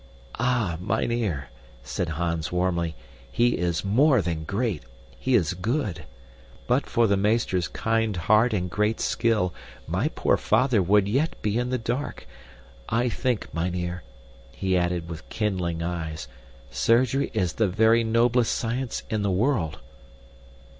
"Ah, mynheer," said Hans warmly, "he is more than great. He is good. But for the meester's kind heart and great skill my poor father would yet be in the dark. I think, mynheer," he added with kindling eyes, "surgery is the very noblest science in the world!"